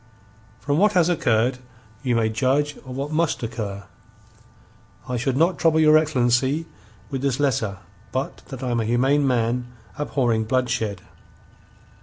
From what has occurred, you may judge of what must occur. I should not trouble your excellency with this letter but that I am a humane man, abhorring bloodshed.